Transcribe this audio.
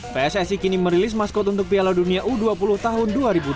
pssi kini merilis maskot untuk piala dunia u dua puluh tahun dua ribu dua puluh